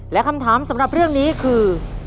และคำถามสำหรับเรื่องนี้คือ